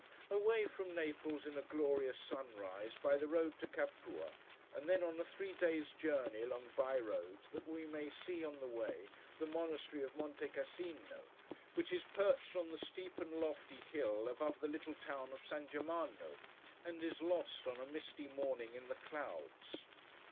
Away from Naples in a glorious sunrise, by the road to Capua, and then on a three days' journey along by roads, that we may see, on the way, the monastery of Monte Cassino, which is perched on the steep and lofty hill above the little town of San Germano, and is lost on a misty morning in the clouds.